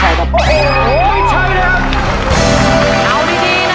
ไม่ใช่ครับโอ้โหไม่ใช่เลยครับ